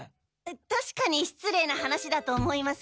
確かに失礼な話だと思いますが。